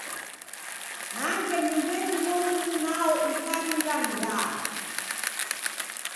Nangia nyumbenyi w'oruw'u nao ikaringa ndaa!